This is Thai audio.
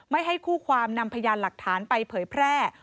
ไม่ให้คู่ความนำพยานหลักฐานไปเผยแพร่